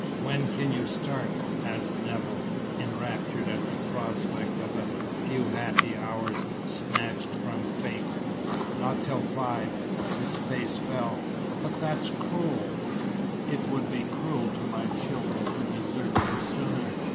"When can you start?" asked Nevill, enraptured at the prospect of a few happy hours snatched from fate. "Not till five." His face fell. "But that's cruel!" "It would be cruel to my children to desert them sooner.